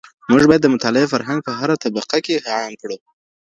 موږ بايد د مطالعې فرهنګ په هره طبقه کي عام کړو.